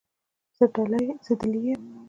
زه دلې یم.